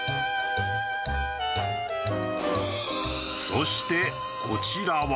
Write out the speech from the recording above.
そしてこちらは。